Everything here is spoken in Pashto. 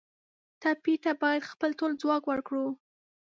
ټپي ته باید خپل ټول ځواک ورکړو.